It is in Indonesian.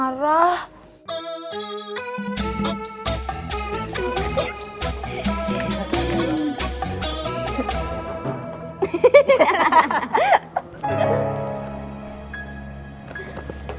terserah kamu aja